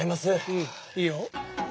うんいいよ。